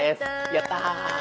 やった！